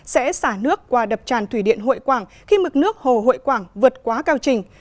sẽ xả nước qua đập tràn thủy điện hội quảng khi mực nước hồ hội quảng vượt quá cao trình